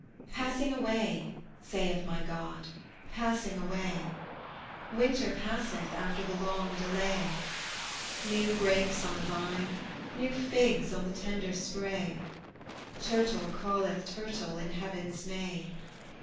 Passing away, saith my God, passing away: Winter passeth after the long delay: New grapes on the vine, new figs on the tender spray, Turtle calleth turtle in Heaven's May.